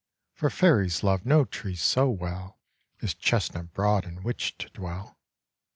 For fairies love no tree so well As chestnut broad in which to dwell."